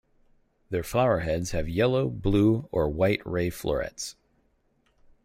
Their flower heads have yellow, blue, or white ray florets.